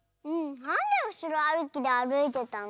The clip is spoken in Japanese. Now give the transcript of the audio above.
なんでうしろあるきであるいてたの？